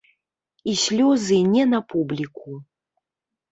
І слёзы не на публіку.